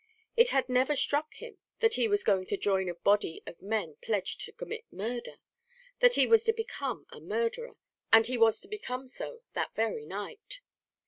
It had never struck him that he was going to join a body of men pledged to commit murder that he was to become a murderer, and that he was to become so that very night.